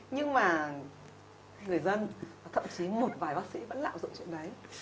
nhưng mà người dân và thậm chí một vài bác sĩ vẫn lạm dụng chuyện đấy